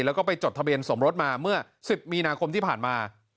แล้วก็ไปจดทะเบียนสมรสมาเมื่อ๑๐มีนาคมที่ผ่านมา